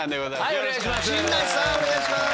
はいお願いします。